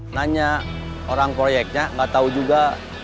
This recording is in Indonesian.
nanya orang proyeknya gak tau juga